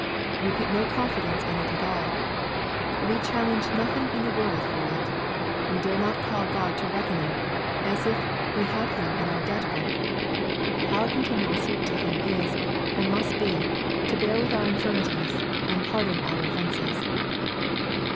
We put no confidence in it at alU We challenge nothing in the world for it. We dare not call God to reckoning, as if we had Him in our debt book. Our continual suit to Him is, and must be, to bear with our infirmities, and pardon our of fences."